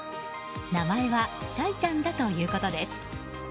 名前はシャイちゃんだということです。